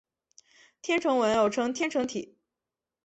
天城文又称天城体。